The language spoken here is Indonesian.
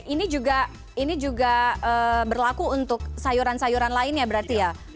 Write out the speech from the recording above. ini juga berlaku untuk sayuran sayuran lainnya berarti ya